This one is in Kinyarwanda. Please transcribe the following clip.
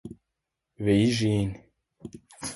Beijing